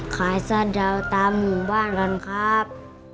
ขายสะดาวตามอยู่บ้านก่อนครับ